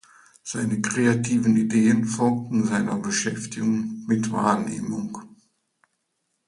Seine kreativen Ideen folgten seiner Beschäftigung mit Wahrnehmung.